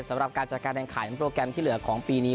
สำหรับการจัดการแข่งขันโปรแกรมที่เหลือของปีนี้